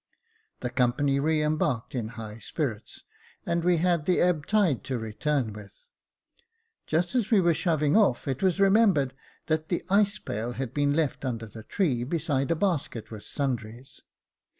The company re embarked in high spirits, and we had the ebb tide to return with. Just as we were shoving off, it was remembered that the ice pail had been left under the tree, besides a basket with sundries.